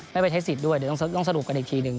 ไม่ไปใช้สิทธิ์ด้วยเดี๋ยวต้องสรุปกันอีกทีหนึ่ง